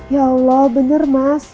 ya allah bener mas